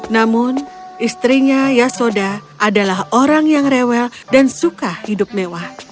namun istrinya yasoda adalah orang yang rewel dan suka hidup mewah